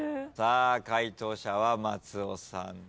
さあ解答者は松尾さん。